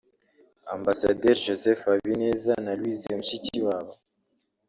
Ambasaderi Joseph Habineza na Louise Mushikiwabo